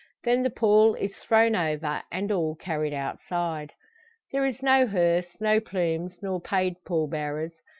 Then the pall is thrown over, and all carried outside. There is no hearse, no plumes, nor paid pall bearers.